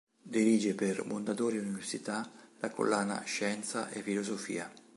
Dirige per Mondadori Università la collana "Scienza e filosofia".